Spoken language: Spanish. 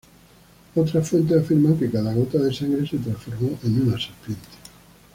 Otras fuentes afirman que cada gota de sangre se transformó en una serpiente.